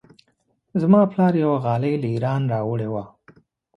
زما پلار یوه غالۍ له ایران راوړې وه.